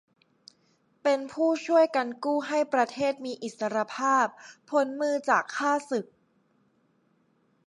เป็นผู้ช่วยกันกู้ให้ประเทศมีอิสสรภาพพ้นมือจากข้าศึก